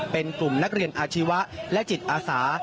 เป็นกลุ่มนักเรียนอาชีวะและจิตอาสา